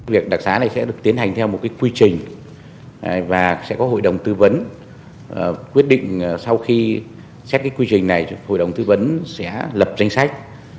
việc đặc xá này sẽ được tiến hành theo một cái quy trình và sẽ có hội đồng tư vấn quyết định sau khi xét cái quy trình này hội đồng tư vấn sẽ lập danh sách